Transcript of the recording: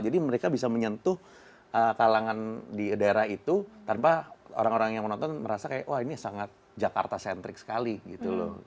mereka bisa menyentuh kalangan di daerah itu tanpa orang orang yang menonton merasa kayak wah ini sangat jakarta sentrik sekali gitu loh